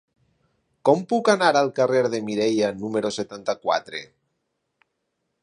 Com puc anar al carrer de Mireia número setanta-quatre?